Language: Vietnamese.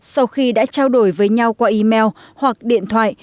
sau khi đã trao đổi với nhau qua email hoặc điện thoại